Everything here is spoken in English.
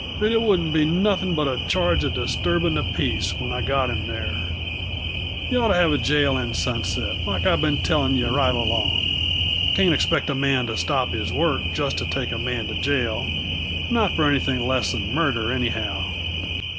And it wouldn't be nothin' but a charge uh disturbin' the peace, when I got him there. Y'oughta have a jail in Sunset, like I've been telling yuh right along. Can't expect a man to stop his work just to take a man to jail not for anything less than murder, anyhow."